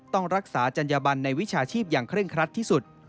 ต้องรักษาจัญญบันในวิชาชีพอย่างเร่งครัดที่สุด